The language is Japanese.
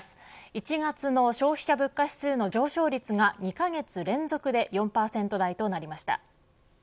１月の消費者物価指数の上昇率が２カ月連続で４％台となりました。